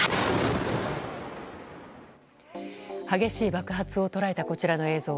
激しい爆発を捉えたこちらの映像。